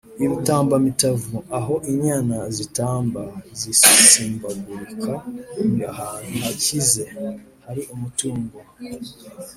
i rutambamitavu: aho inyana zitamba, zisimbagurika ni ahantu hakize, hari umutungo